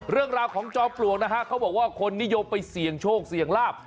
เรื่องราวของจอมปลวกนะฮะเขาบอกว่าคนนิยมไปเสี่ยงโชคเสี่ยงลาบ